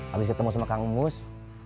habis ketemu sama kang mus